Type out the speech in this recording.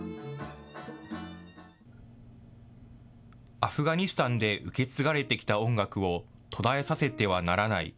アフガニスタンで受け継がれてきた音楽を途絶えさせてはならない。